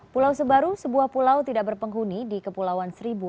pulau sebaru sebuah pulau tidak berpenghuni di kepulauan seribu